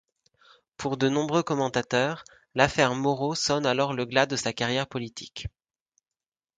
Pour de nombreux commentateurs, l'affaire Moro sonne alors le glas de sa carrière politique.